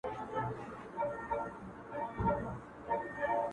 o په مخه دي د اور ګلونه ـ